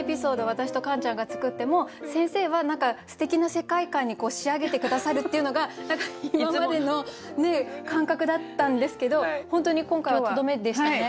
私とカンちゃんが作っても先生は何かすてきな世界観に仕上げて下さるっていうのが今までの感覚だったんですけど本当に今回はとどめでしたね。